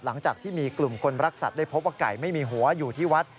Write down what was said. หลังจากที่มีกลุ่มคนรักสัตว์ได้พบว่าไก่ไม่มีหัวอยู่ที่วัด